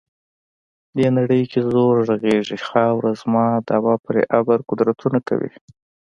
دې نړۍ کې زور غږیږي، خاوره زما دعوه پرې ابر قدرتونه کوي.